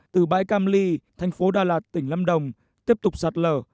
từ bãi cam ly thành phố đà lạt tỉnh lâm đồng tiếp tục sạt lở